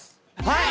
はい！